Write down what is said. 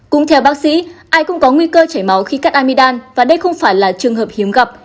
cũng theo bác sĩ ai cũng có nguy cơ chảy máu khi cắt amidam và đây không phải là trường hợp hiếm gặp